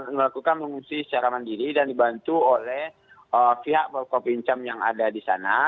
melakukan mengungsi secara mandiri dan dibantu oleh pihak kopincam yang ada di sana